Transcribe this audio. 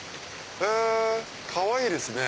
へぇかわいいですね。